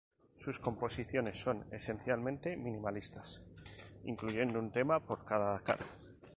Sus composiciones son esencialmente minimalistas incluyendo un tema por cada cara.